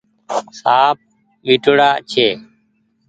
سآنپ وٺو ڙآ ڇي۔